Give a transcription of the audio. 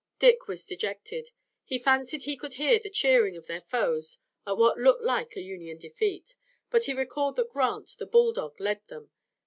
Dick was dejected. He fancied he could hear the cheering of their foes at what looked like a Union defeat, but he recalled that Grant, the bulldog, led them.